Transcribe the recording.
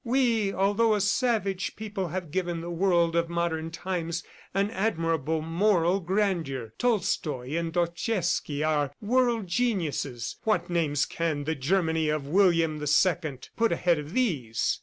We, although a savage people, have given the world of modern times an admirable moral grandeur. Tolstoi and Dostoievsky are world geniuses. What names can the Germany of William II put ahead of these?